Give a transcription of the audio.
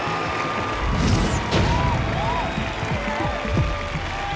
ดวงคู่ที่เหมาะสมกับเขามากที่สุด